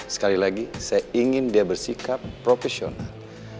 sekali lagi saya ingin dia bersikap profesional